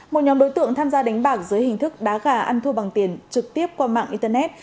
một nhóm đối tượng tham gia đánh bạc dưới hình thức đá gà ăn thua bằng tiền trực tiếp qua mạng internet